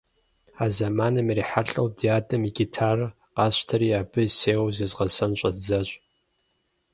А зэманым ирихьэлӀэу ди адэм и гитарэр къасщтэри, абы сеуэу зезгъэсэн щӀэздзащ.